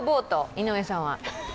井上さんは？